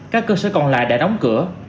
các cơ sở còn lại đã đóng cửa